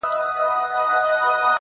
له ملا څخه خوابدې سوه عورته -